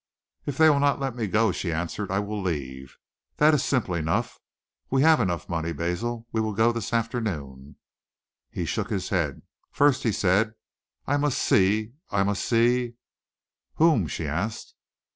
"If they will not let me go," she answered, "I will leave. That is simple enough. We have enough money, Basil. We will go this afternoon." He shook his head. "First," he said, "I must see I must see " "Whom?" she asked.